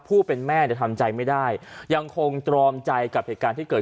ผู้เป็นแม่เนี่ยทำใจไม่ได้ยังคงตรอมใจกับเหตุการณ์ที่เกิด